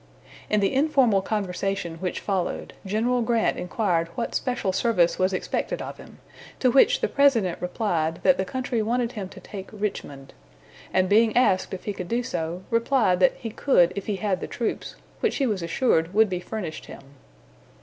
In the informal conversation which followed, General Grant inquired what special service was expected of him; to which the President replied that the country wanted him to take Richmond; and being asked if he could do so, replied that he could if he had the troops, which he was assured would be furnished him.